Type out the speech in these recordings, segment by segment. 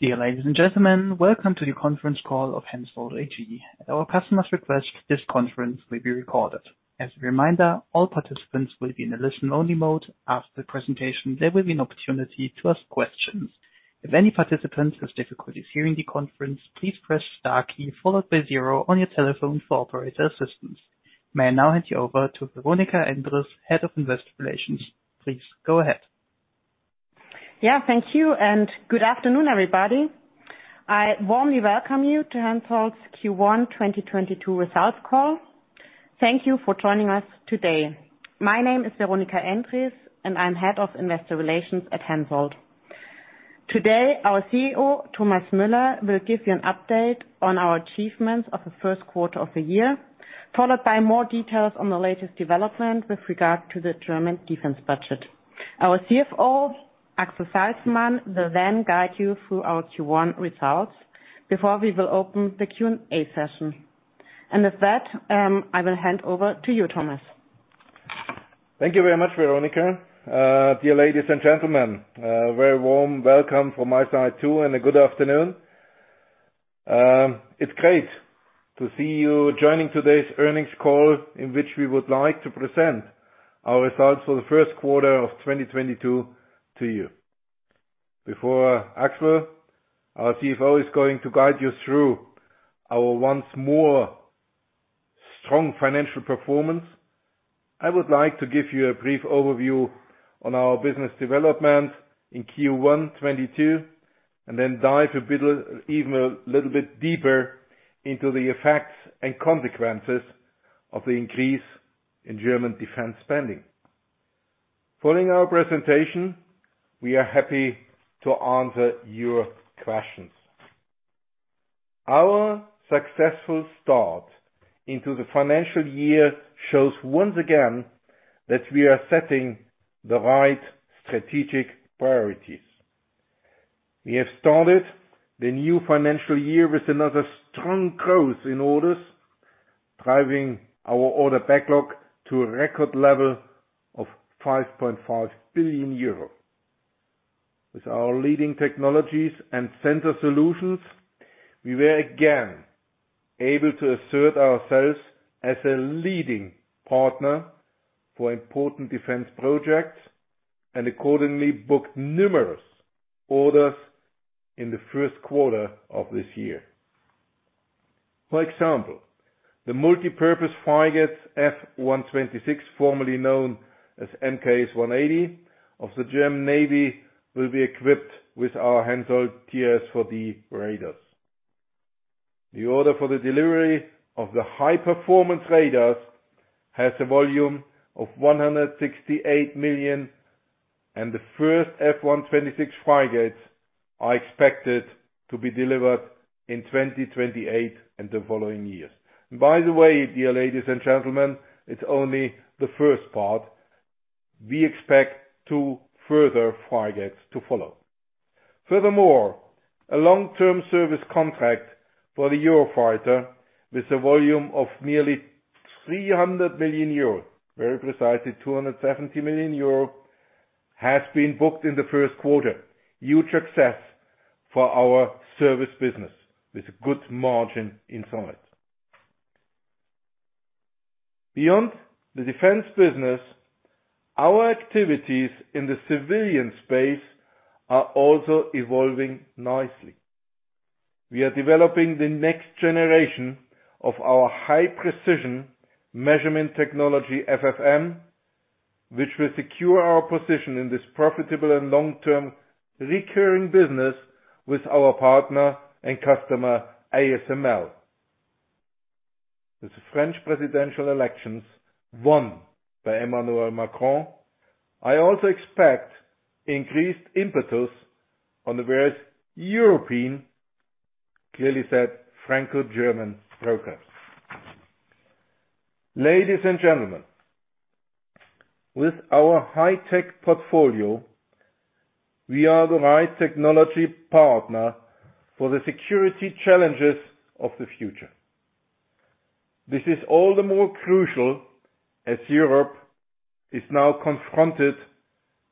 Dear ladies and gentlemen, welcome to the conference call of Hensoldt AG. At our customer's request, this conference will be recorded. As a reminder, all participants will be in a listen-only mode. After the presentation, there will be an opportunity to ask questions. If any participant has difficulties hearing the conference, please press star key followed by zero on your telephone for operator assistance. May I now hand you over to Veronika Endres, Head of Investor Relations. Please go ahead. Yeah, thank you, and good afternoon, everybody. I warmly welcome you to Hensoldt's Q1 2022 Results Call. Thank you for joining us today. My name is Veronika Endres, and I'm Head of Investor Relations at Hensoldt. Today, our CEO, Thomas Müller, will give you an update on our achievements of the first quarter of the year, followed by more details on the latest development with regard to the German defense budget. Our CFO, Axel Salzmann, will then guide you through our Q1 results before we will open the Q&A session. With that, I will hand over to you, Thomas. Thank you very much, Veronika. Dear ladies and gentlemen, a very warm welcome from my side, too, and a good afternoon. It's great to see you joining today's earnings call, in which we would like to present our results for the first quarter of 2022 to you. Before Axel, our CFO, is going to guide you through our once more strong financial performance, I would like to give you a brief overview on our business development in Q1 2022 and then dive a bit, even a little bit deeper into the effects and consequences of the increase in German defense spending. Following our presentation, we are happy to answer your questions. Our successful start into the financial year shows once again that we are setting the right strategic priorities. We have started the new financial year with another strong growth in orders, driving our order backlog to a record level of 5.5 billion euro. With our leading technologies and sensor solutions, we were again able to assert ourselves as a leading partner for important defense projects and accordingly booked numerous orders in the first quarter of this year. For example, the multipurpose frigates F-126, formerly known as MKS 180 of the German Navy, will be equipped with our Hensoldt TRS4D radars. The order for the delivery of the high-performance radars has a volume of 168 million, and the first F126 frigates are expected to be delivered in 2028 and the following years. By the way, dear ladies and gentlemen, it's only the first part. We expect two further frigates to follow. Furthermore, a long-term service contract for the Eurofighter with a volume of nearly 300 million euros, very precisely 270 million euros, has been booked in the first quarter. Huge success for our service business with good margin inside. Beyond the defense business, our activities in the civilian space are also evolving nicely. We are developing the next generation of our high-precision measurement technology, FFM, which will secure our position in this profitable and long-term recurring business with our partner and customer, ASML. With the French presidential elections won by Emmanuel Macron, I also expect increased impetus on the various European, clearly said Franco-German programs. Ladies and gentlemen, with our high-tech portfolio, we are the right technology partner for the security challenges of the future. This is all the more crucial as Europe is now confronted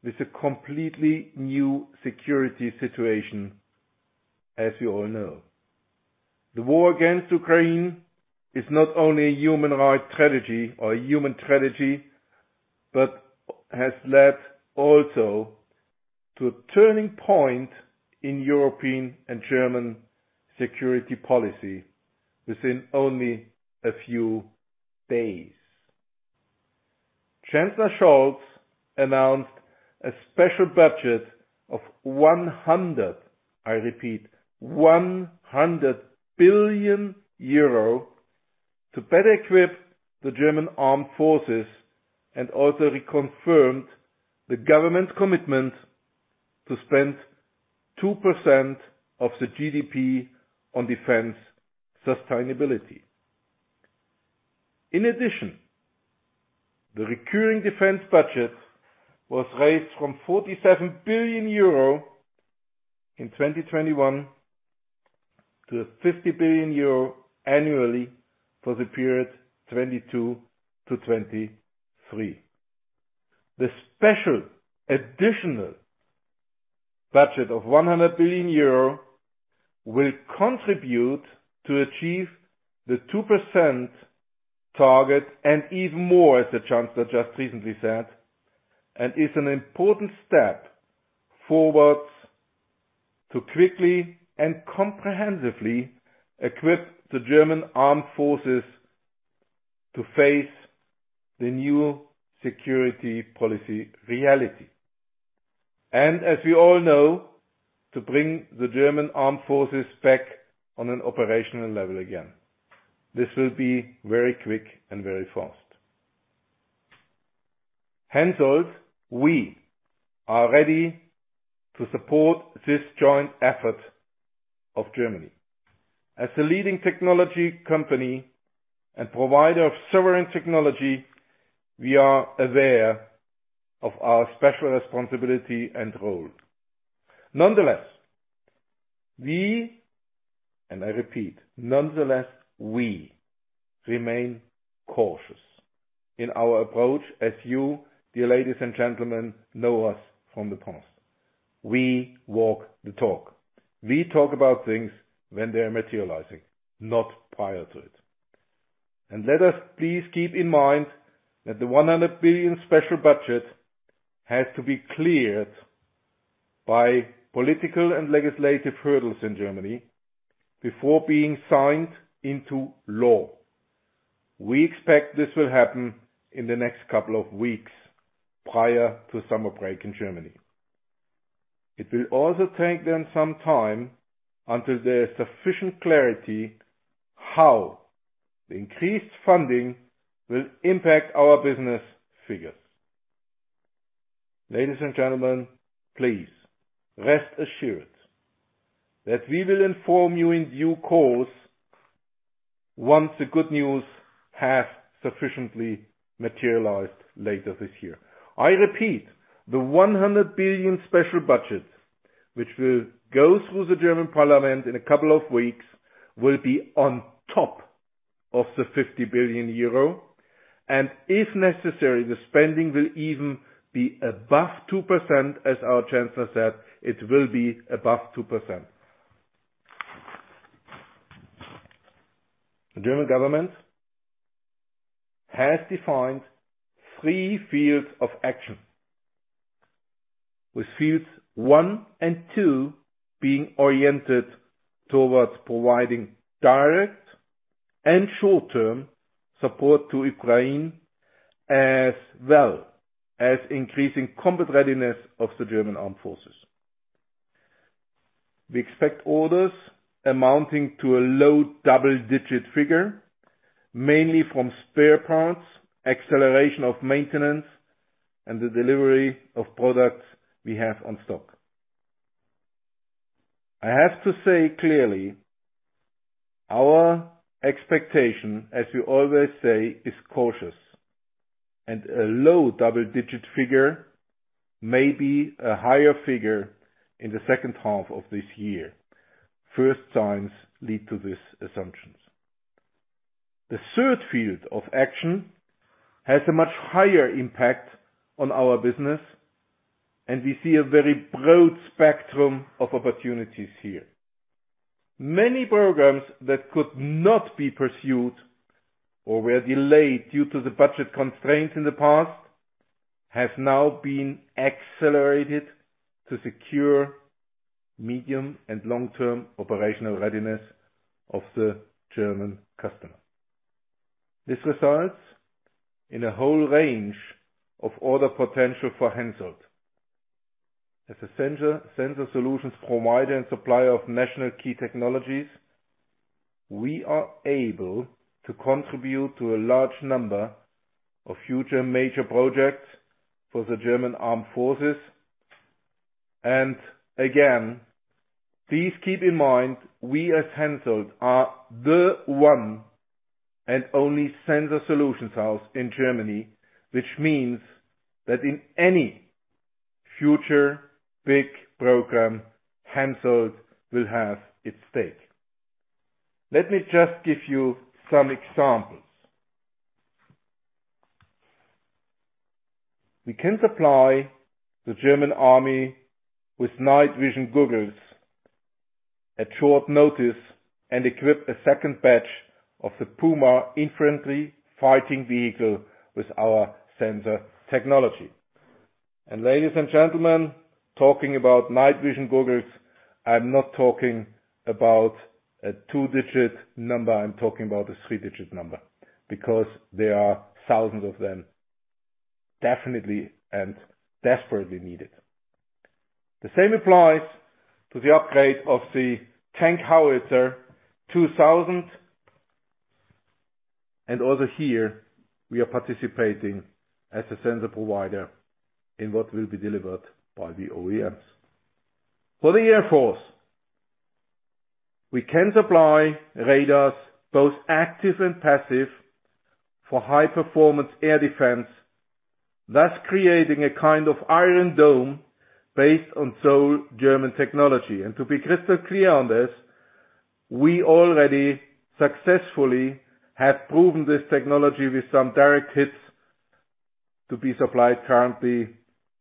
with a completely new security situation, as you all know. The war against Ukraine is not only a human right tragedy or a human tragedy, but has led also to a turning point in European and German security policy within only a few days. Chancellor Scholz announced a special budget of 100 billion, I repeat, 100 billion euro to better equip the German Armed Forces and also reconfirmed the government's commitment to spend 2% of the GDP on defense sustainability. In addition, the recurring defense budget was raised from 47 billion euro in 2021 to 50 billion euro annually for the period 2022 to 2023. The special additional budget of 100 billion euro will contribute to achieve the 2% target and even more, as the chancellor just recently said, and is an important step forward to quickly and comprehensively equip the German Armed Forces to face the new security policy reality. As we all know, to bring the German Armed Forces back on an operational level again. This will be very quick and very fast. Hensoldt, we are ready to support this joint effort of Germany. As a leading technology company and provider of sovereign technology, we are aware of our special responsibility and role. Nonetheless, we, and I repeat, nonetheless, we remain cautious in our approach as you, dear ladies and gentlemen, know us from the past. We walk the talk. We talk about things when they are materializing, not prior to it. Let us please keep in mind that the 100 billion special budget has to be cleared by political and legislative hurdles in Germany before being signed into law. We expect this will happen in the next couple of weeks prior to summer break in Germany. It will also take them some time until there's sufficient clarity how the increased funding will impact our business figures. Ladies and gentlemen, please rest assured that we will inform you in due course once the good news has sufficiently materialized later this year. I repeat, the 100 billion special budget, which will go through the German parliament in a couple of weeks, will be on top of the 50 billion euro. If necessary, the spending will even be above 2%. As our chancellor said, it will be above 2%. The German government has defined three fields of action. With fields one and two being oriented towards providing direct and short-term support to Ukraine, as well as increasing combat readiness of the German Armed Forces. We expect orders amounting to a low double-digit figure, mainly from spare parts, acceleration of maintenance, and the delivery of products we have on stock. I have to say clearly, our expectation, as we always say, is cautious and a low double-digit figure may be a higher figure in the second half of this year. First signs lead to these assumptions. The third field of action has a much higher impact on our business, and we see a very broad spectrum of opportunities here. Many programs that could not be pursued or were delayed due to the budget constraints in the past, have now been accelerated to secure medium and long-term operational readiness of the German customer. This results in a whole range of order potential for Hensoldt. As a sensor solutions provider and supplier of national key technologies, we are able to contribute to a large number of future major projects for the German Armed Forces. Again, please keep in mind, we as Hensoldt are the one and only sensor solutions house in Germany, which means that in any future big program, Hensoldt will have its stake. Let me just give you some examples. We can supply the German army with night vision goggles at short notice and equip a second batch of the Puma infantry fighting vehicle with our sensor technology. Ladies and gentlemen, talking about night vision goggles, I'm not talking about a two-digit number. I'm talking about a three-digit number, because there are thousands of them, definitely and desperately needed. The same applies to the upgrade of the Panzerhaubitze 2000, and also here we are participating as a sensor provider in what will be delivered by the OEMs. For the Air Force, we can supply radars, both active and passive, for high-performance air defense, thus creating a kind of Iron Dome based on sole German technology. To be crystal clear on this, we already successfully have proven this technology with some direct hits to be supplied currently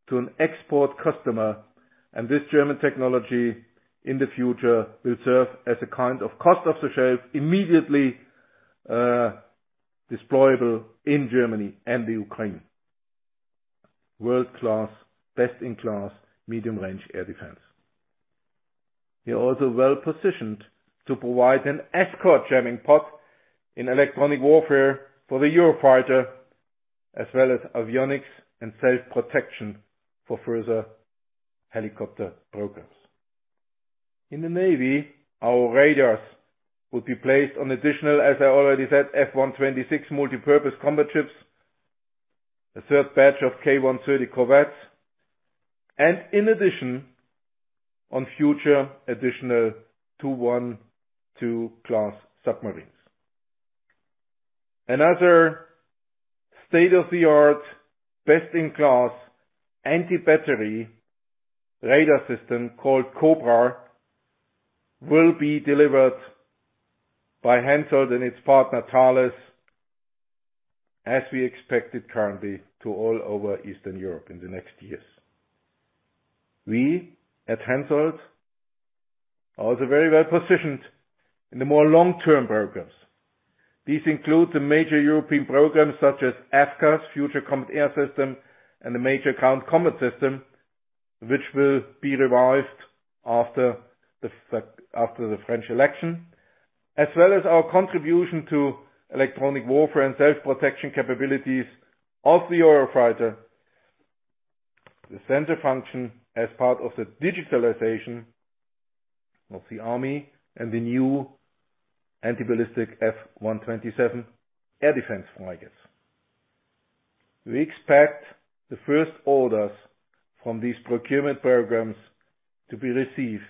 to an export customer, and this German technology in the future will serve as a kind of COTS, immediately deployable in Germany and Ukraine. World-class, best-in-class, medium-range air defense. We are also well-positioned to provide an escort jamming pod in electronic warfare for the Eurofighter, as well as avionics and self-protection for further helicopter programs. In the Navy, our radars will be placed on additional, as I already said, F-126 multipurpose combat ships, a third batch of K130 corvettes, and in addition, on future additional 212 class submarines. Another state-of-the-art, best-in-class, counter-battery radar system called Cobra will be delivered by Hensoldt and its partner, Thales, as we expect it currently to all over Eastern Europe in the next years. We at Hensoldt are also very well-positioned in the more long-term programs. These include the major European programs such as FCAS, Future Combat Air System, and the Main Ground Combat System, which will be revised after the French election, as well as our contribution to electronic warfare and self-protection capabilities of the Eurofighter, the sensor function as part of the digitalization of the army and the new anti-ballistic F-127 air defense frigates. We expect the first orders from these procurement programs to be received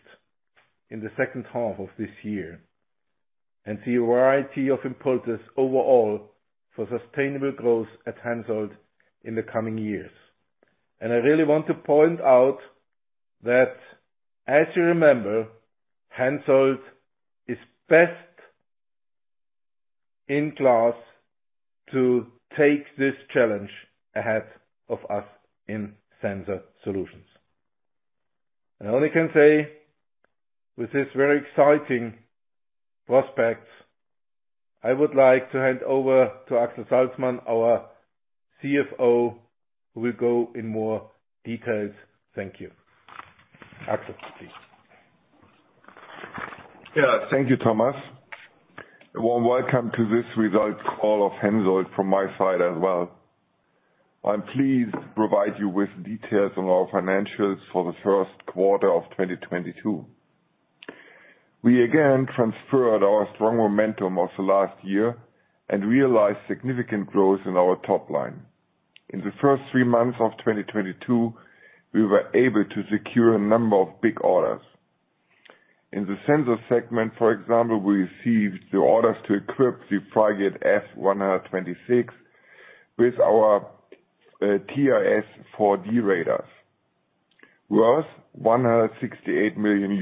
in the second half of this year and see a variety of impulses overall for sustainable growth at Hensoldt in the coming years. I really want to point out that, as you remember, Hensoldt is best-in-class to take this challenge ahead of us in sensor solutions. I only can say with this very exciting prospects, I would like to hand over to Axel Salzmann, our CFO, who will go in more details. Thank you. Axel, please. Yeah. Thank you, Thomas. A warm welcome to this results call of Hensoldt from my side as well. I'm pleased to provide you with details on our financials for the first quarter of 2022. We again transferred our strong momentum of the last year and realized significant growth in our top line. In the first three months of 2022, we were able to secure a number of big orders. In the Sensors segment, for example, we received the orders to equip the frigate F-126 with our TRS-4D radars, worth EUR 168 million.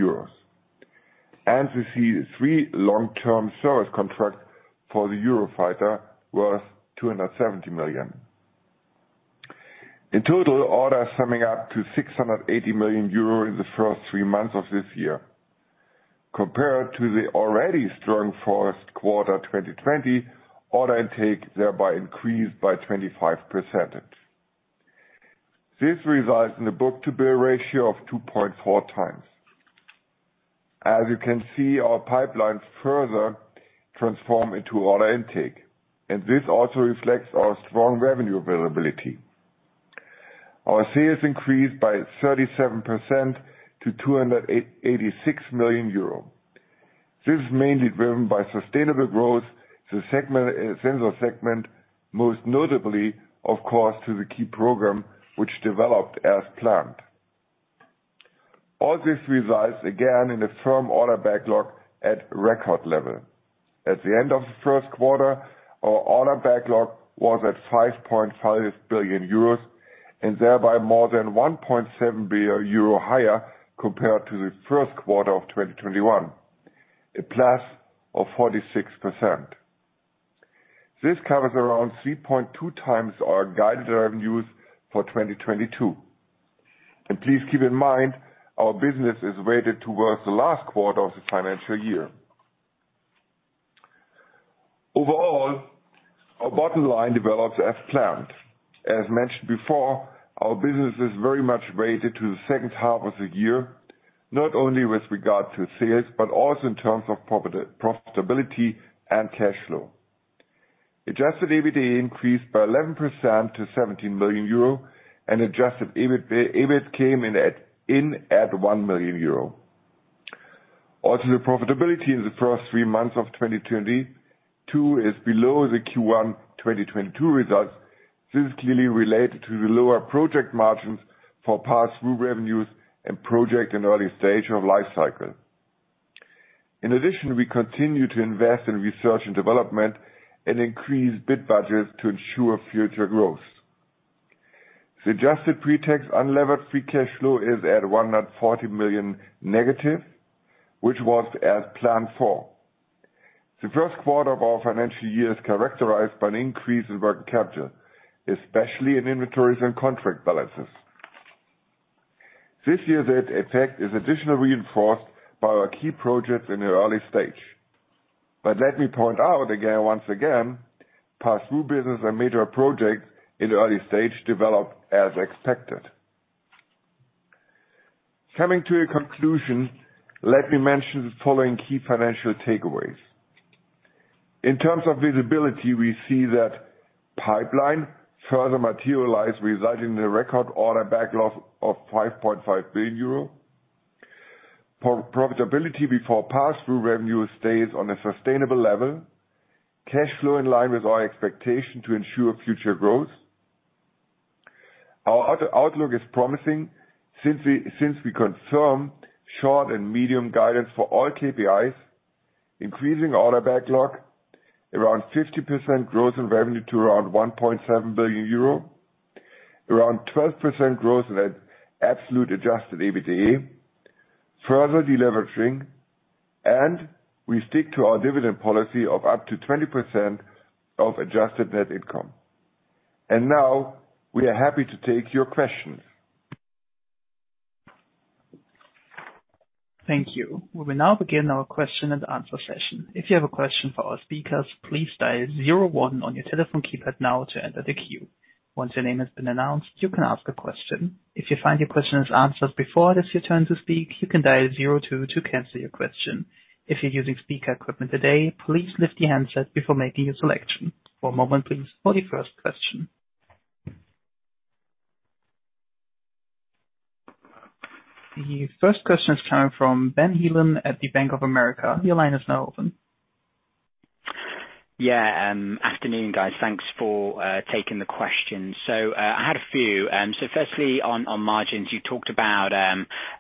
We see three long-term service contracts for the Eurofighter worth 270 million. In total, orders summing up to 680 million euro in the first three months of this year. Compared to the already strong first quarter 2020, order intake thereby increased by 25%. This results in a book-to-bill ratio of 2.4x. As you can see, our pipelines further transform into order intake, and this also reflects our strong revenue availability. Our sales increased by 37% to 286 million euro. This is mainly driven by sustainable growth in the Sensors segment, most notably, of course, in the key program which developed as planned. All this results again in a firm order backlog at record level. At the end of the first quarter, our order backlog was at 5.5 billion euros and thereby more than 1.7 billion euro higher compared to the first quarter of 2021, a +46%. This covers around 3.2 x our guided revenues for 2022. Please keep in mind our business is weighted towards the last quarter of the financial year. Overall, our bottom line develops as planned. As mentioned before, our business is very much weighted to the second half of the year, not only with regard to sales, but also in terms of profitability and cash flow. Adjusted EBITDA increased by 11% to 17 million euro and adjusted EBIT came in at 1 million euro. Also, the profitability in the first three months of 2022 is below the Q1 2022 results. This is clearly related to the lower project margins for pass-through revenues and projects in early stage of life cycle. In addition, we continue to invest in research and development and increase bid budgets to ensure future growth. The adjusted pre-tax unlevered free cash flow is at -140 million, which was as planned for. The first quarter of our financial year is characterized by an increase in working capital, especially in inventories and contract balances. This year that effect is additionally reinforced by our key projects in the early stage. Let me point out again, once again, pass-through business and major projects in the early stage develop as expected. Coming to a conclusion, let me mention the following key financial takeaways. In terms of visibility, we see that pipeline further materialize, resulting in a record order backlog of 5.5 billion euro. Profitability before pass-through revenue stays on a sustainable level. Cash flow in line with our expectation to ensure future growth. Our other outlook is promising since we confirm short and medium guidance for all KPIs, increasing order backlog, around 50% growth in revenue to around 1.7 billion euro, around 12% growth in that absolute Adjusted EBITDA, further deleveraging, and we stick to our dividend policy of up to 20% of adjusted net income. Now we are happy to take your questions. Thank you. We will now begin our question and answer session. If you have a question for our speakers, please dial zero one on your telephone keypad now to enter the queue. Once your name has been announced, you can ask a question. If you find your question is answered before it is your turn to speak, you can dial zero two to cancel your question. If you're using speaker equipment today, please lift your handset before making your selection. One moment, please, for the first question. The first question is coming from Ben Heelan at the Bank of America. Your line is now open. Yeah. Afternoon, guys. Thanks for taking the questions. I had a few. First, on margins. You talked about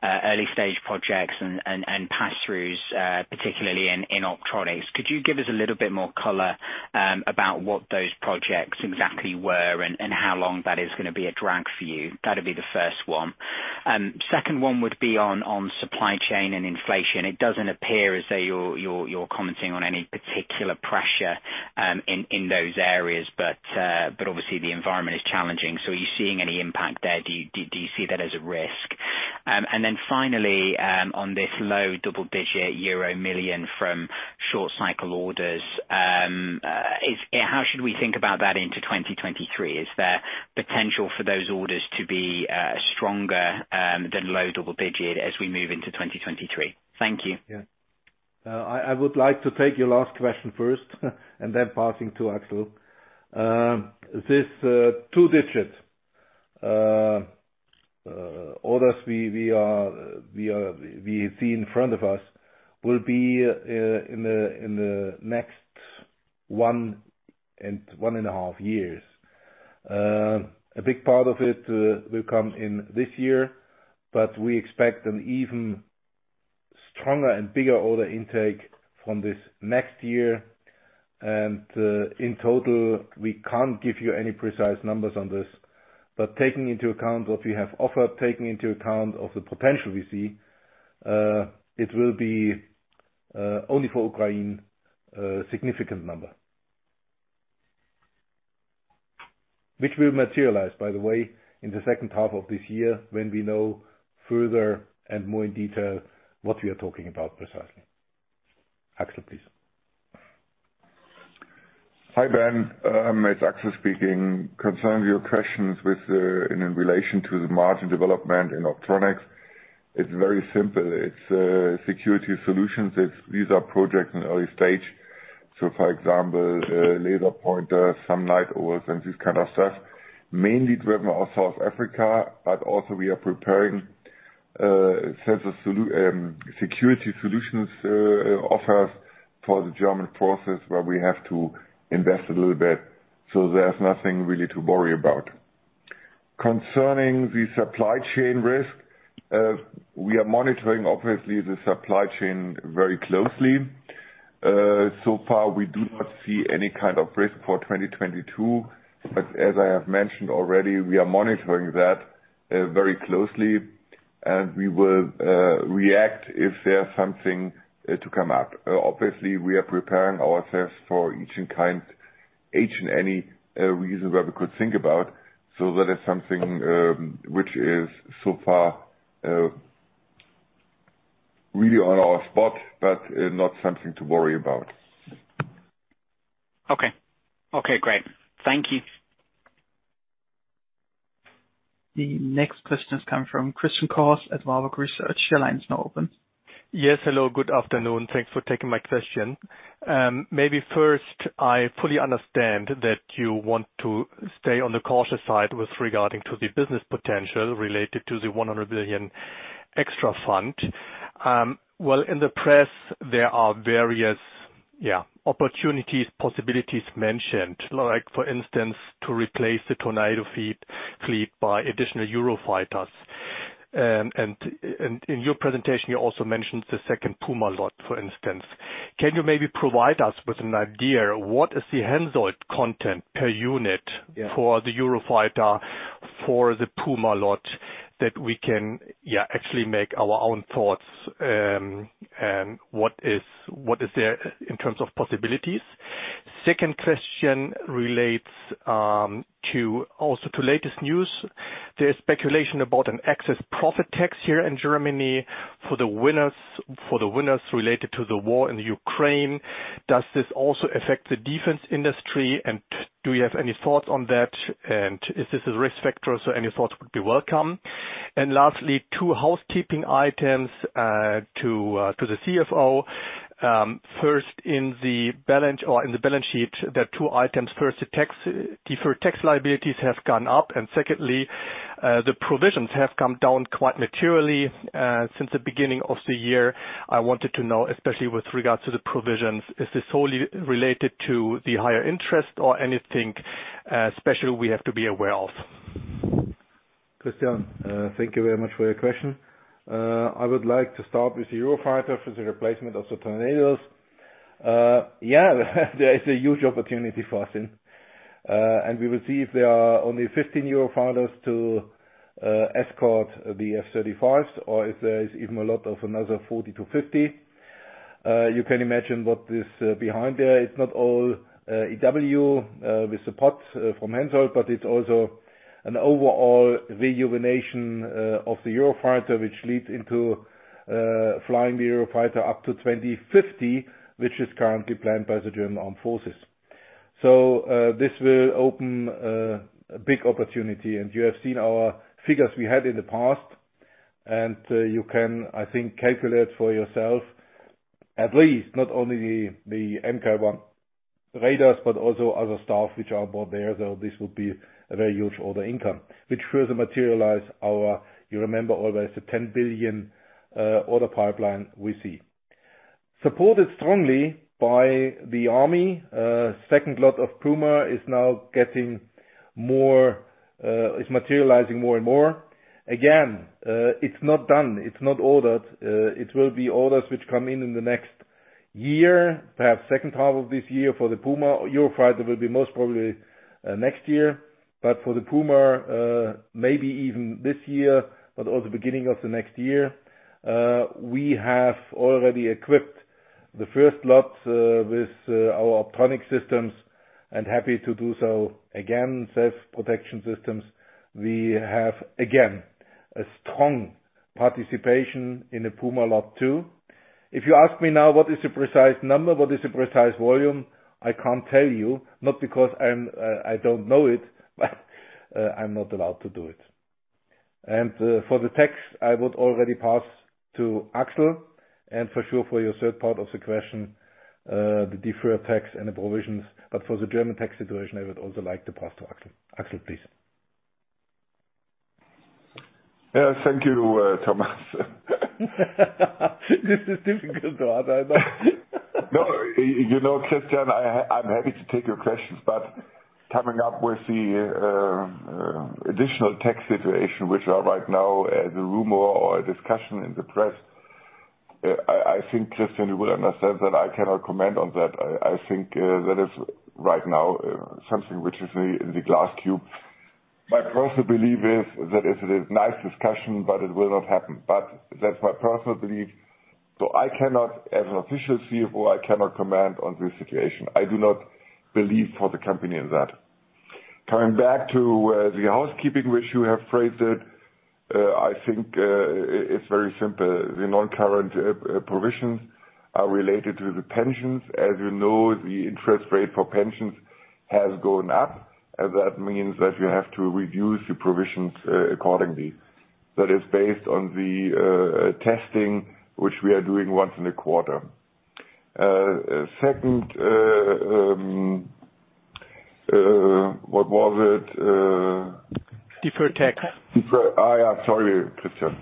early stage projects and pass-throughs, particularly in Optronics. Could you give us a little bit more color about what those projects exactly were and how long that is gonna be a drag for you? That'd be the first one. Second one would be on supply chain and inflation. It doesn't appear as though you're commenting on any particular pressure in those areas, but obviously the environment is challenging. Are you seeing any impact there? Do you see that as a risk? Then finally, on this low double-digit euro million from short cycle orders. How should we think about that into 2023? Is there potential for those orders to be stronger than low double-digit as we move into 2023? Thank you. Yeah. I would like to take your last question first and then passing to Axel. This two-digit orders we see in front of us will be in the next one and a half years. A big part of it will come in this year, but we expect an even stronger and bigger order intake from this next year. In total, we can't give you any precise numbers on this, but taking into account what we have offered, taking into account of the potential we see, it will be only for Ukraine, a significant number. Which will materialize, by the way, in the second half of this year, when we know further and more in detail what we are talking about precisely. Axel, please. Hi, Ben. It's Axel Salzmann speaking. Concerning your questions in relation to the margin development in Optronics, it's very simple. It's Security Solutions. These are projects in early stage. For example, laser rangefinder, some LiDARs and this kind of stuff. Mainly driven out of South Africa, but also we are preparing sensor solutions, Security Solutions, offers for the German process where we have to invest a little bit, so there's nothing really to worry about. Concerning the supply chain risk, we are monitoring obviously the supply chain very closely. So far we do not see any kind of risk for 2022, but as I have mentioned already, we are monitoring that very closely and we will react if there's something to come up. Obviously we are preparing ourselves for each and any reason that we could think about. That is something which is so far really on our radar, not something to worry about. Okay. Okay, great. Thank you. The next question is coming from Christian Cohrs at Warburg Research. Your line is now open. Yes. Hello, good afternoon. Thanks for taking my question. Maybe first, I fully understand that you want to stay on the cautious side with regard to the business potential related to the 100 billion extra fund. Well, in the press there are various opportunities, possibilities mentioned, like for instance, to replace the Tornado fleet by additional Eurofighters. In your presentation, you also mentioned the second PUMA lot, for instance. Can you maybe provide us with an idea, what is the Hensoldt content per unit? Yeah. for the Eurofighter, for the PUMA lot that we can, yeah, actually make our own thoughts, and what is there in terms of possibilities? Second question relates, also, to latest news. There is speculation about an excess profit tax here in Germany for the winners related to the war in the Ukraine. Does this also affect the defense industry, and do you have any thoughts on that? Is this a risk factor? Any thoughts would be welcome. Lastly, two housekeeping items to the CFO. First, in the balance sheet, there are two items. First, the deferred tax liabilities have gone up. Secondly, the provisions have come down quite materially since the beginning of the year. I wanted to know, especially with regards to the provisions, is this solely related to the higher interest or anything special we have to be aware of? Christian, thank you very much for your question. I would like to start with the Eurofighter, for the replacement of the Tornados. Yeah, there is a huge opportunity for us in. And we will see if there are only 15 Eurofighters to escort the F-35s or if there is even a lot of another 40-50. You can imagine what is behind there. It's not all EW with support from Hensoldt, but it's also an overall rejuvenation of the Eurofighter which leads into flying the Eurofighter up to 2050, which is currently planned by the German Armed Forces. This will open a big opportunity. You have seen our figures we had in the past, and you can, I think, calculate for yourself at least, not only the MK 1 radars, but also other stuff which are bought there. This would be a very huge order income, which further materializes our EUR 10 billion order pipeline we see. You remember always the 10 billion order pipeline we see. Supported strongly by the army, second lot of PUMA is now getting more, is materializing more and more. Again, it's not done. It's not ordered. It will be orders which come in the next year, perhaps second half of this year for the PUMA. Eurofighter will be most probably next year. But for the PUMA, maybe even this year, or the beginning of the next year. We have already equipped the first lot with our optronic systems, and happy to do so again. Self-protection systems, we have again a strong participation in the PUMA lot too. If you ask me now, what is the precise number, what is the precise volume? I can't tell you, not because I don't know it, but I'm not allowed to do it. For the tax, I would already pass to Axel and for sure for your third part of the question, the deferred tax and the provisions. For the German tax situation, I would also like to pass to Axel. Axel, please. Yeah. Thank you, Thomas. This is difficult, but I know. No. You know, Christian, I'm happy to take your questions, but coming up with the additional tax situation, which are right now the rumor or a discussion in the press, I think, Christian, you will understand that I cannot comment on that. I think that is right now something which is in the glass cube. My personal belief is that it is nice discussion, but it will not happen. That's my personal belief. I cannot, as an official CFO, I cannot comment on this situation. I do not believe for the company in that. Coming back to the housekeeping which you have phrased it, I think it's very simple. The non-current provisions are related to the pensions. As you know, the interest rate for pensions has gone up, and that means that you have to review the provisions accordingly. That is based on the testing which we are doing once in a quarter. Second, what was it? Deferred tax. Deferred. Yeah, sorry, Christian.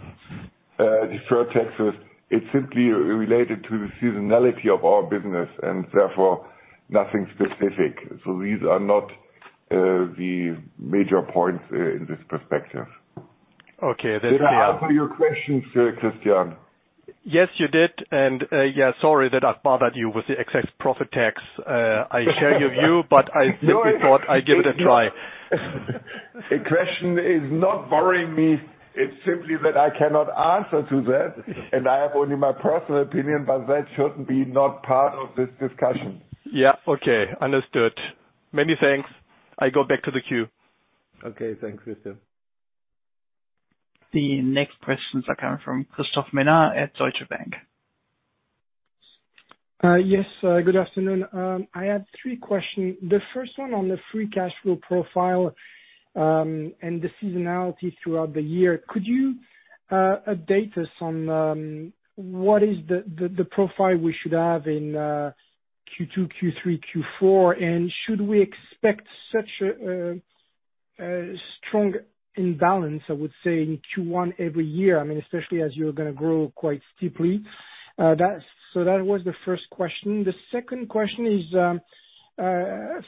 Deferred taxes, it's simply related to the seasonality of our business and therefore nothing specific. These are not the major points in this perspective. Okay. That's clear. Did I answer your questions, Christian? Yes, you did. Sorry that I've bothered you with the excess profit tax. I share your view, but I simply thought I'd give it a try. The question is not bothering me. It's simply that I cannot answer to that, and I have only my personal opinion, but that should be not part of this discussion. Yeah. Okay. Understood. Many thanks. I go back to the queue. Okay. Thanks, Christian. The next questions are coming from Christophe Menard at Deutsche Bank. Yes. Good afternoon. I had three questions. The first one on the free cash flow profile, and the seasonality throughout the year. Could you update us on what is the profile we should have in Q2, Q3, Q4? Should we expect such a strong imbalance, I would say, in Q1 every year, I mean, especially as you're gonna grow quite steeply. That was the first question. The second question is,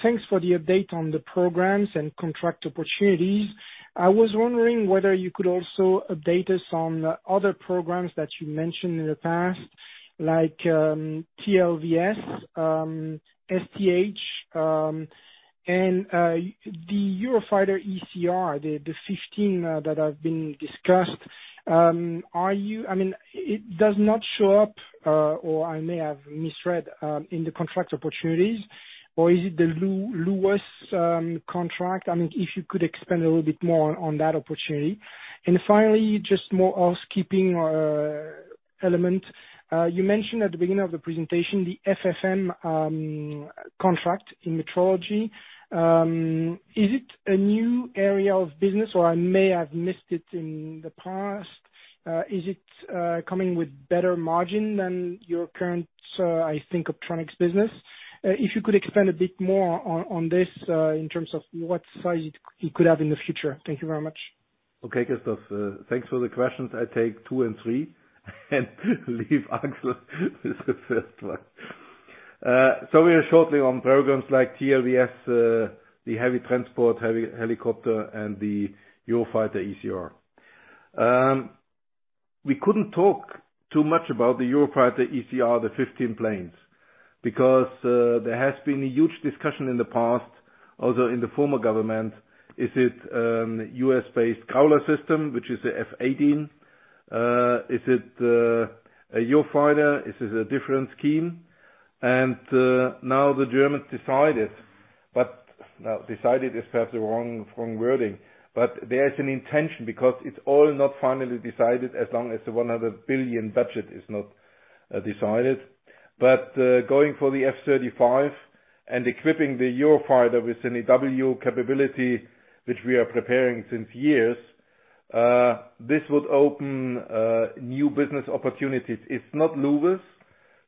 thanks for the update on the programs and contract opportunities. I was wondering whether you could also update us on other programs that you mentioned in the past, like TLVS, STH, and the Eurofighter ECR, the F-15, that have been discussed. I mean, it does not show up, or I may have misread, in the contract opportunities, or is it the luWES contract? I mean, if you could expand a little bit more on that opportunity. Finally, just more housekeeping element. You mentioned at the beginning of the presentation, the FFM contract in metrology. Is it a new area of business, or I may have missed it in the past? Is it coming with better margin than your current, I think, Optronics business? If you could expand a bit more on this, in terms of what size it could have in the future. Thank you very much. Okay, Christophe. Thanks for the questions. I take two and three and leave Axel with the first one. We are shortly on programs like TLVS, the heavy transport helicopter, and the Eurofighter ECR. We couldn't talk too much about the Eurofighter ECR, the 15 planes, because there has been a huge discussion in the past, although in the former government, is it a U.S.-based Growler system, which is the F/A-18? Is it a Eurofighter? Is it a different scheme? Now the Germans decided. Now, decided is perhaps the wrong wording. There is an intention because it's all not finally decided as long as the 100 billion budget is not decided. Going for the F-35 and equipping the Eurofighter with an EW capability, which we are preparing for years, this would open new business opportunities. It's not luWES,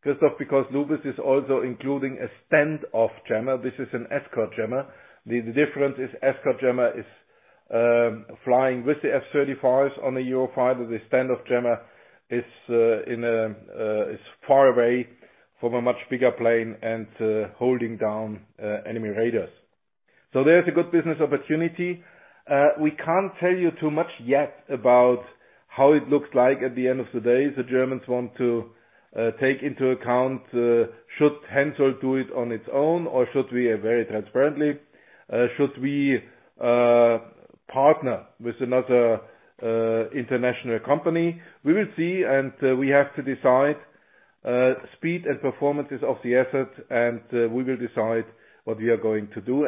Christophe, because luWES is also including a standoff jammer. This is an escort jammer. The difference is the escort jammer is flying with the F-35s on a Eurofighter. The standoff jammer is far away from a much bigger plane and holding down enemy radars. There's a good business opportunity. We can't tell you too much yet about how it looks like at the end of the day. The Germans want to take into account should Hensoldt do it on its own, or should we very transparently partner with another international company? We will see, and we have to decide speed and performance of the assets, and we will decide what we are going to do.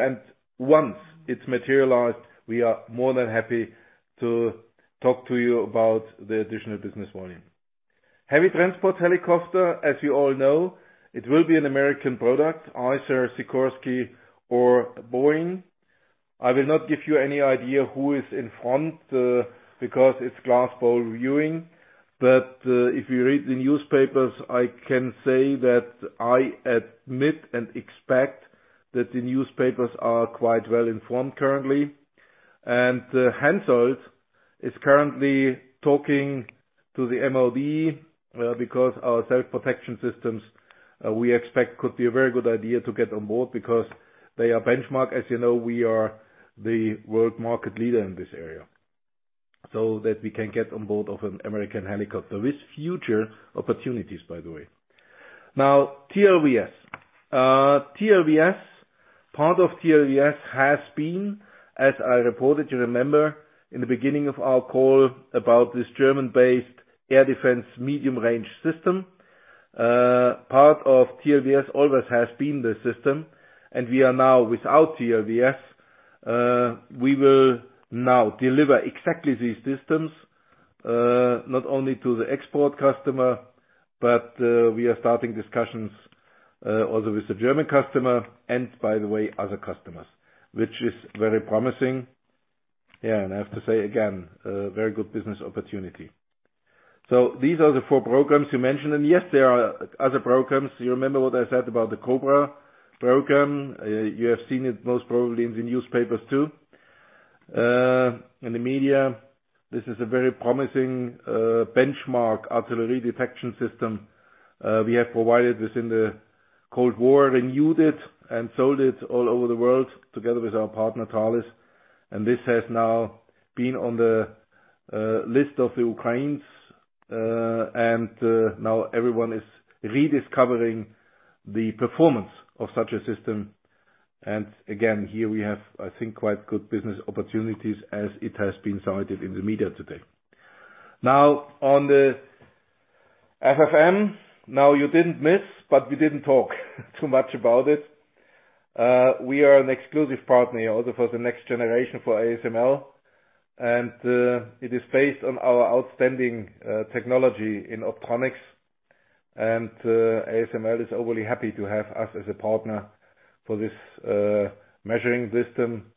Once it's materialized, we are more than happy to talk to you about the additional business volume. Heavy transport helicopter, as you all know, it will be an American product, either Sikorsky or Boeing. I will not give you any idea who is in front, because it's crystal ball viewing. If you read the newspapers, I can say that I admit and expect that the newspapers are quite well informed currently. Hensoldt is currently talking to the MOD, because our self-protection systems, we expect could be a very good idea to get on board because they are benchmark. As you know, we are the world market leader in this area, so that we can get on board of an American helicopter with future opportunities, by the way. Now, TLVS. TLVS, part of TLVS has been, as I reported, you remember in the beginning of our call about this German-based air defense medium-range system. Part of TLVS always has been the system, and we are now without TLVS. We will now deliver exactly these systems, not only to the export customer, but we are starting discussions also with the German customer and by the way, other customers, which is very promising. Yeah, and I have to say again, a very good business opportunity. These are the four programs you mentioned. Yes, there are other programs. You remember what I said about the COBRA program. You have seen it most probably in the newspapers, too, in the media. This is a very promising benchmark artillery detection system. We have provided this in the Cold War, renewed it, and sold it all over the world together with our partner, Thales. This has now been on the list of the Ukraine's, and now everyone is rediscovering the performance of such a system. Again, here we have, I think, quite good business opportunities as it has been cited in the media today. Now, on the FFM, you didn't miss, but we didn't talk too much about it. We are an exclusive partner also for the next generation for ASML. It is based on our outstanding technology in optronics. ASML is overly happy to have us as a partner for this measuring system,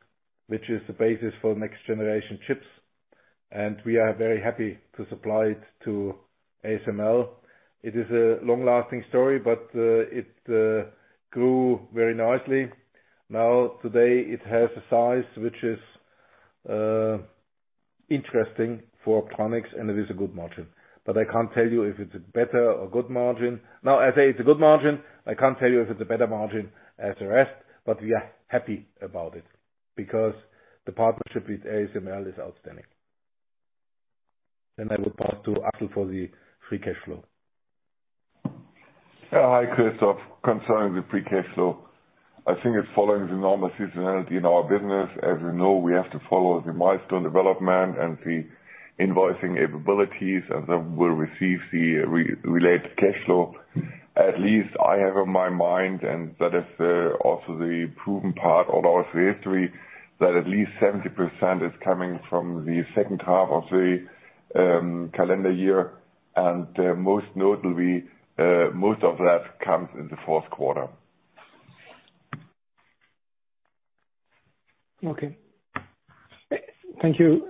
which is the basis for next generation chips. We are very happy to supply it to ASML. It is a long-lasting story, but it grew very nicely. Now, today it has a size which is interesting for Hensoldt, and it is a good margin. I can't tell you if it's a better or good margin. No, I say it's a good margin. I can't tell you if it's a better margin than the rest, but we are happy about it because the partnership with ASML is outstanding. I will pass to Axel for the free cash flow. Hi, Christophe. Concerning the free cash flow, I think it's following the normal seasonality in our business. As you know, we have to follow the milestone development and the invoicing capabilities, and then we'll receive the related cash flow. At least I have in my mind, and that is also the proven part of our history, that at least 70% is coming from the second half of the calendar year. Most notably, most of that comes in the fourth quarter. Okay. Thank you.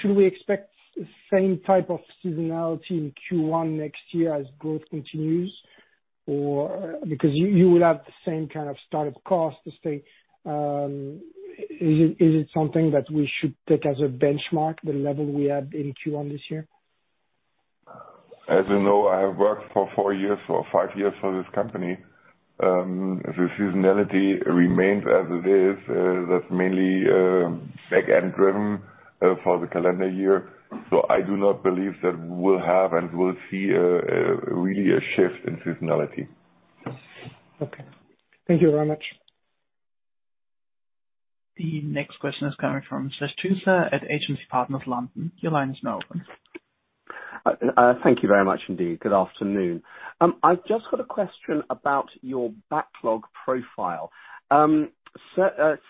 Should we expect the same type of seasonality in Q1 next year as growth continues? Or, because you would have the same kind of startup costs to stay. Is it something that we should take as a benchmark, the level we had in Q1 this year? As you know, I have worked for four years or five years for this company. The seasonality remains as it is. That's mainly back-end driven for the calendar year. I do not believe that we'll have and we'll see a real shift in seasonality. Okay. Thank you very much. The next question is coming from Sash Tusa at Agency Partners, London. Your line is now open. Thank you very much indeed. Good afternoon. I've just got a question about your backlog profile.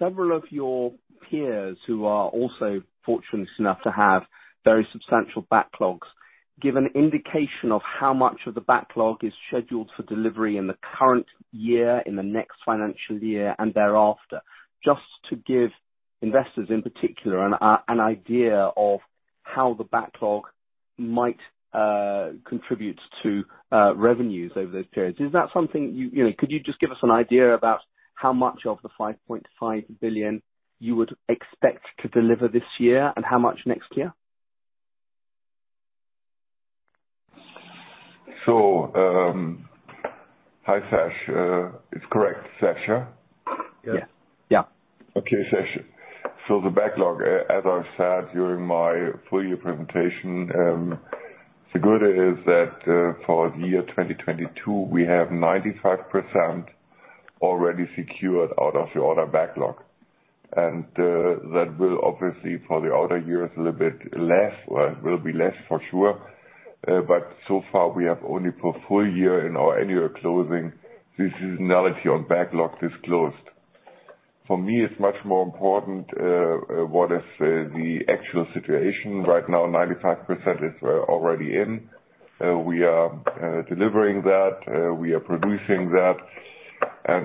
Several of your peers, who are also fortunate enough to have very substantial backlogs, give an indication of how much of the backlog is scheduled for delivery in the current year, in the next financial year, and thereafter, just to give investors, in particular, an idea of how the backlog might contribute to revenues over those periods. Is that something you know, could you just give us an idea about how much of the 5.5 billion you would expect to deliver this year and how much next year? Hi, Sash. It's correct, Sash, yeah? Yeah. Okay, Sash. The backlog, as I've said during my full year presentation, the good is that, for year 2022, we have 95% already secured out of the order backlog. That will obviously, for the other years, a little bit less. Well, it will be less for sure. So far we have only for full year in our annual closing, the seasonality on backlog disclosed. For me it's much more important, what is the actual situation. Right now, 95% is already in. We are delivering that. We are producing that.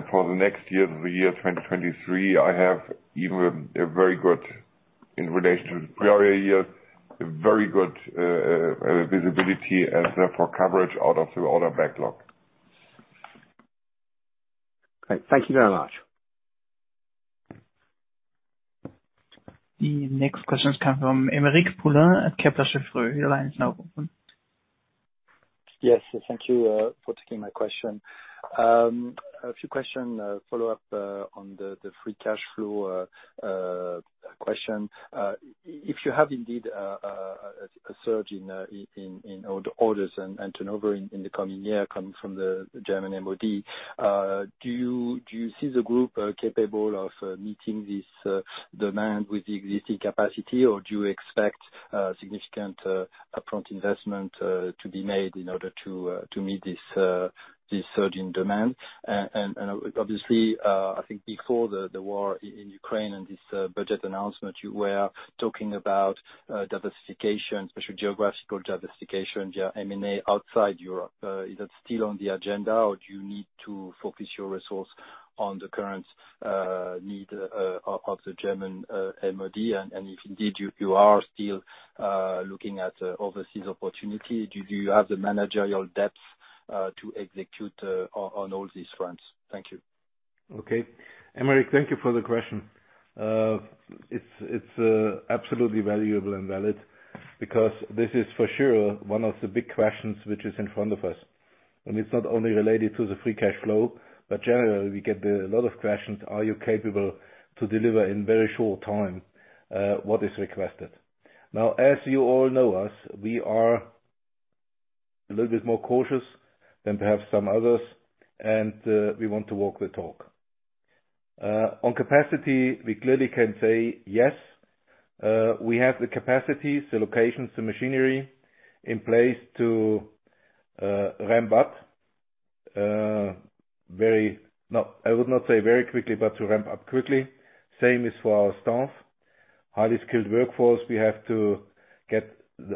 For the next year, the year 2023, I have even a very good, in relation to the prior years, visibility as for coverage out of the order backlog. Great. Thank you very much. The next question comes from Aymeric Poulain at Kepler Cheuvreux. Your line is now open. Yes. Thank you for taking my question. A few questions follow up on the free cash flow question. If you have indeed a surge in orders and turnover in the coming year coming from the German MoD, do you see the group capable of meeting this demand with the existing capacity, or do you expect significant upfront investment to be made in order to meet this surge in demand? Obviously, I think before the war in Ukraine and this budget announcement, you were talking about diversification, especially geographical diversification via M&A outside Europe. Is that still on the agenda, or do you need to focus your resource on the current need of the German MoD? If indeed you are still looking at overseas opportunity, do you have the managerial depth to execute on all these fronts? Thank you. Okay. Aymeric, thank you for the question. It's absolutely valuable and valid because this is for sure one of the big questions which is in front of us. It's not only related to the free cash flow, but generally we get a lot of questions: Are you capable to deliver in very short time, what is requested? Now, as you all know us, we are a little bit more cautious than perhaps some others and we want to walk the talk. On capacity, we clearly can say, yes, we have the capacity, the locations, the machinery in place to ramp up. No, I would not say very quickly, but to ramp up quickly. Same is for our staff. Highly skilled workforce, we have to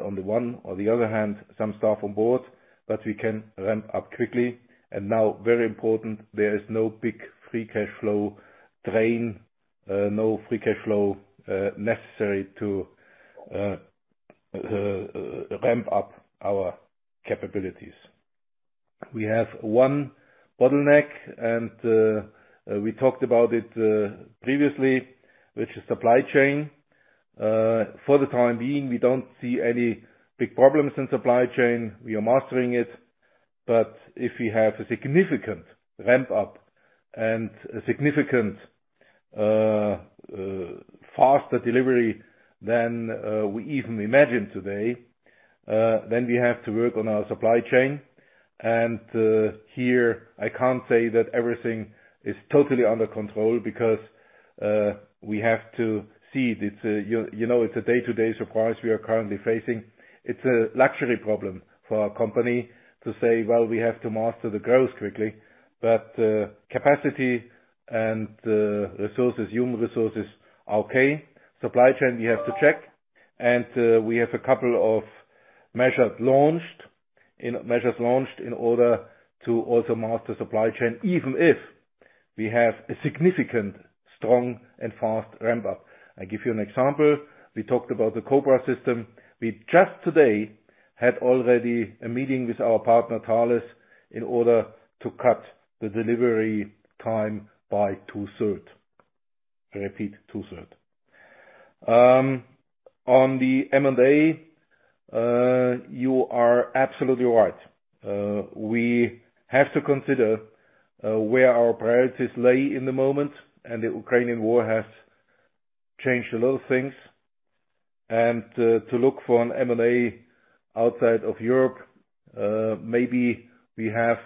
On the one or the other hand, get some staff on board, but we can ramp up quickly. Now very important, there is no big free cash flow drain, no free cash flow necessary to ramp up our capabilities. We have one bottleneck, and we talked about it previously, which is supply chain. For the time being, we don't see any big problems in supply chain. We are mastering it. But if we have a significant ramp up and a significant faster delivery than we even imagined today, then we have to work on our supply chain. Here, I can't say that everything is totally under control because we have to see. You know, it's a day-to-day surprise we are currently facing. It's a luxury problem for our company to say, "Well, we have to master the growth quickly." Capacity and resources, human resources are okay. Supply chain, we have to check. We have a couple of measures launched in order to also master supply chain, even if we have a significant strong and fast ramp up. I'll give you an example. We talked about the COBRA system. We just today had already a meeting with our partner, Thales, in order to cut the delivery time by 2/3. I repeat, two-thirds. On the M&A, you are absolutely right. We have to consider where our priorities lay in the moment, and the Ukrainian war has changed a lot of things. To look for an M&A outside of Europe, maybe we have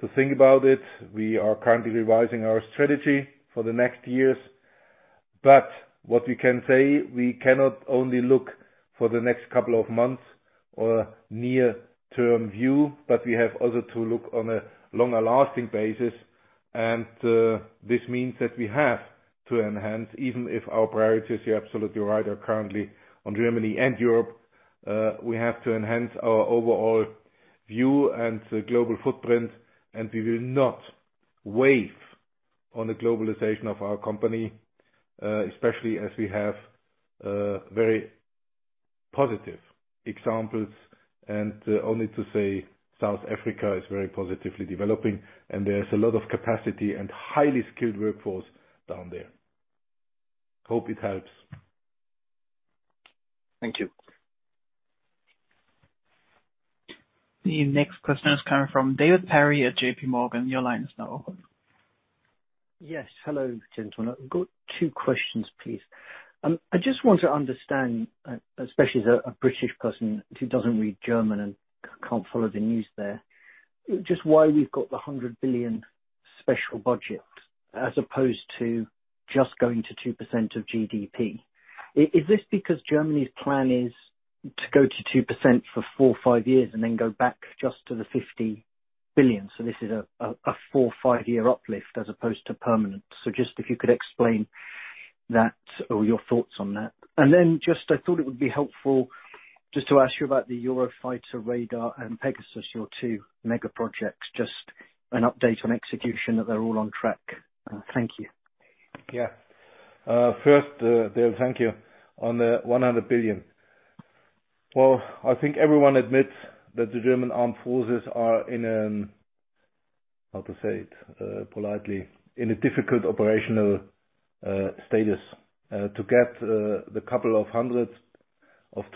to think about it. We are currently revising our strategy for the next years. What we can say, we cannot only look for the next couple of months or near-term view, but we have also to look on a longer-lasting basis. This means that we have to enhance, even if our priorities, you're absolutely right, are currently on Germany and Europe, we have to enhance our overall view and global footprint, and we will not waver on the globalization of our company, especially as we have, very positive examples. Only to say South Africa is very positively developing, and there's a lot of capacity and highly skilled workforce down there. Hope it helps. Thank you. The next question is coming from David Perry at J.P. Morgan. Your line is now open. Yes. Hello, gentlemen. I've got two questions, please. I just want to understand, especially as a British person who doesn't read German and can't follow the news there, just why we've got the 100 billion special budget as opposed to just going to 2% of GDP. Is this because Germany's plan is to go to 2% for four to five years and then go back just to the 50 billion, so this is a four to five year uplift as opposed to permanent? Just if you could explain that or your thoughts on that. Just I thought it would be helpful just to ask you about the Eurofighter radar and Pegasus, your two mega projects. Just an update on execution that they're all on track. Thank you. Yeah. First, Dave, thank you. On the 100 billion. Well, I think everyone admits that the German Armed Forces are in, how to say it, politely, in a difficult operational status. To get a couple of hundred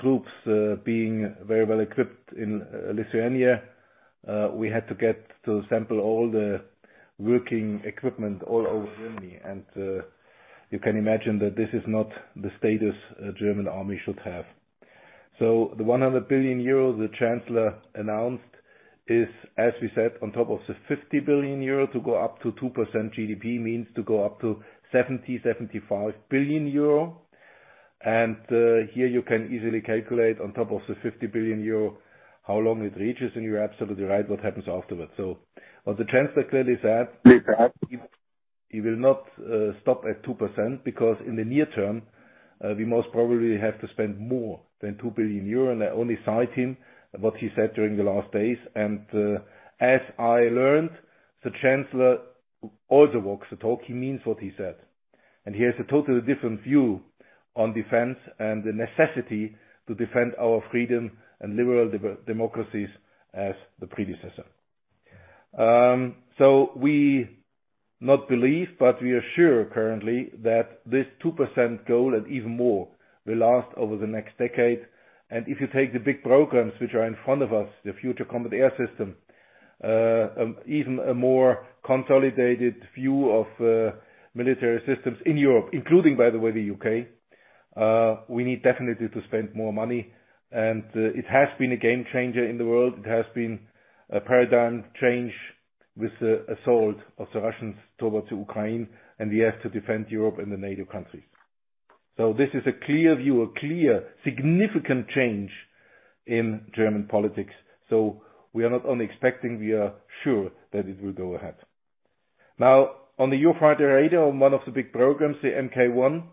troops being very well equipped in Lithuania, we had to scramble all the working equipment all over Germany. You can imagine that this is not the status a German army should have. The 100 billion euros the chancellor announced is, as we said, on top of the 50 billion euro to go up to 2% GDP means to go up to 70 billion-75 billion euro. Here you can easily calculate on top of the 50 billion euro, how long it reaches, and you're absolutely right, what happens afterwards. What the chancellor clearly said, he will not stop at 2% because in the near term, we most probably have to spend more than 2 billion euro. As I learned, the chancellor also walks the talk. He means what he said. He has a totally different view on defense and the necessity to defend our freedom and liberal democracies as the predecessor. We do not believe, but we are sure currently that this 2% goal and even more will last over the next decade. If you take the big programs which are in front of us, the Future Combat Air System, even a more consolidated view of military systems in Europe, including, by the way, the U.K., we need definitely to spend more money. It has been a game-changer in the world. It has been a paradigm change with the assault of the Russians towards Ukraine and we have to defend Europe and the NATO countries. This is a clear view, a clear, significant change in German politics. We are not only expecting, we are sure that it will go ahead. Now, on the Eurofighter radar, on one of the big programs, the MK 1,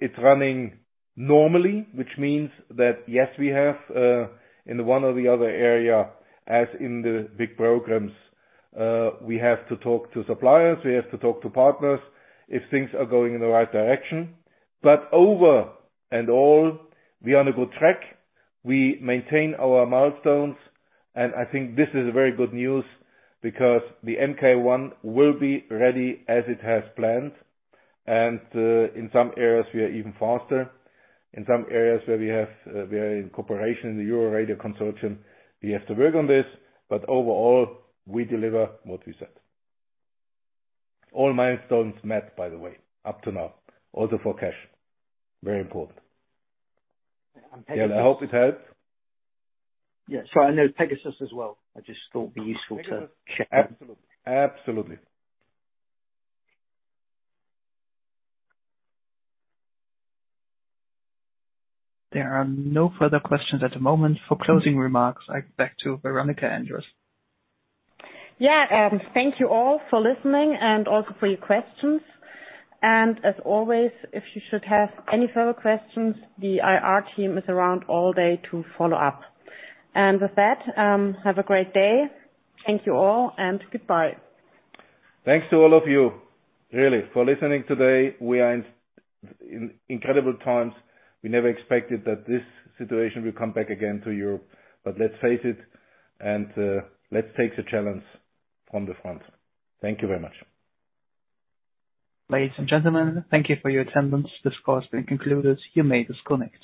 it's running normally, which means that, yes, we have, in one or the other area, as in the big programs, we have to talk to suppliers, we have to talk to partners if things are going in the right direction. But overall, we are on a good track. We maintain our milestones, and I think this is very good news because the MK 1 will be ready as planned. In some areas, we are even faster. In some areas where we have, we are in cooperation in the EuroRADAR consortium, we have to work on this, but overall, we deliver what we said. All milestones met, by the way, up to now, also for cash. Very important. PEGASUS I hope it helps. Yeah. Sorry. There's PEGASUS as well. I just thought it'd be useful to check. Absolutely. Absolutely. There are no further questions at the moment. For closing remarks, back to Veronika Endres. Yeah. Thank you all for listening and also for your questions. As always, if you should have any further questions, the IR team is around all day to follow up. With that, have a great day. Thank you all, and goodbye. Thanks to all of you, really, for listening today. We are in incredible times. We never expected that this situation would come back again to Europe. Let's face it, and let's take the challenge on the front. Thank you very much. Ladies and gentlemen, thank you for your attendance. This call has been concluded. You may disconnect.